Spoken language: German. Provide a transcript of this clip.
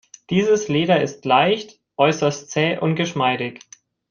Dieses Leder ist leicht, äußerst zäh und geschmeidig.